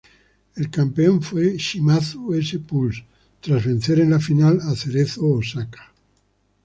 El campeón fue Shimizu S-Pulse, tras vencer en la final a Cerezo Osaka.